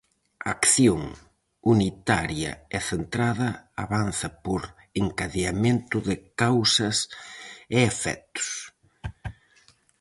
A acción, unitaria e centrada, avanza por encadeamento de causas e efectos.